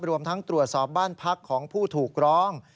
รวมทั้งตรวจสอบบ้านพักของผู้ถูกร้อง